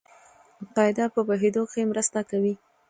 قاعده په پوهېدو کښي مرسته کوي.